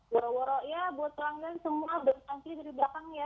woro woro ya buat rangkaian semua berkansi dari belakangnya